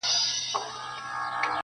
نن داخبره درلېږمه تاته.